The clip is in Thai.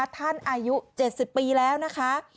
อายุ๗๐ปีแล้วนะคะ